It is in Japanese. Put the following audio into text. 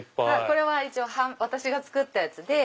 これは私が作ったやつで。